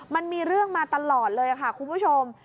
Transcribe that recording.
มันมีเรื่องมาตลอดเลยค่ะคุณผู้ชม